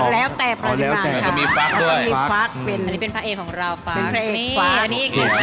แล้วแต่พริกแข้งค่ะแล้วก็มีฟักด้วยอันนี้เป็นพระเอกของเราเป็นพระเอกฟัก